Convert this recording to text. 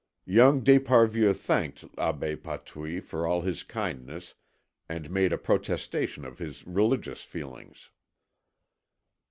Young d'Esparvieu thanked Abbé Patouille for all his kindness, and made a protestation of his religious feelings.